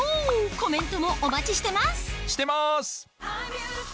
コメントもお待ちしてますしてます！